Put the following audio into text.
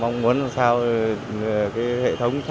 nước tràn vào nhà